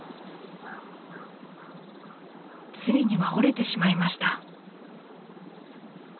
ついには折れてしまいました。